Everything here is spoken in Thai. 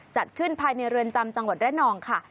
จัดขึ้นภายในเรือนจำจังหวัดระนองค่ะ